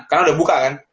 karena udah buka kan